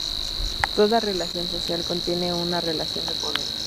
Toda relación social contiene una relación de poder.